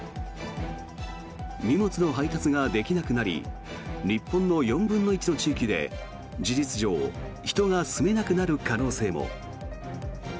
荷物の配達ができなくなり日本の４分の１の地域で事実上人が住めなくなる可能性も。